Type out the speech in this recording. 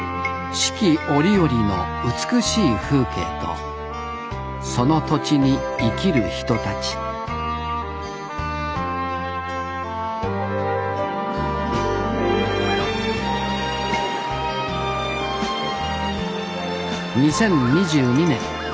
四季折々の美しい風景とその土地に生きる人たち２０２２年。